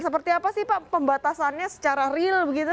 seperti apa sih pak pembatasannya secara real begitu